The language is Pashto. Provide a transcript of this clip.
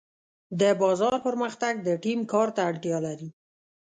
د بازار پرمختګ د ټیم کار ته اړتیا لري.